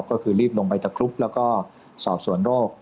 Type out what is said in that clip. ก็คือรีบลงไปตะครุบแล้วก็สอบสวนโรค